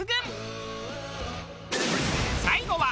最後は